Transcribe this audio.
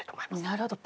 なるほど。